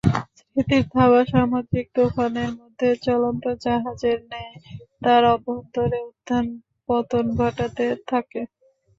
স্মৃতির থাবা সামুদ্রিক তুফানের মধ্যে চলন্ত জাহাজের ন্যায় তার অভ্যন্তরে উত্থান-পতন ঘটাতে থাকে।